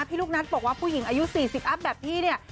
ลูกนัทบอกว่าผู้หญิงอายุ๔๐อัพแบบพี่เนี่ย